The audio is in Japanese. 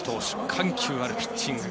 緩急あるピッチング。